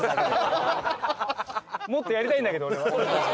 もっとやりたいんだけど俺は。